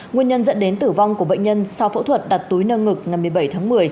nguyên nhân dẫn đến tử vong của bệnh nhân sau phẫu thuật đặt túi nâng ngực ngày một mươi bảy tháng một mươi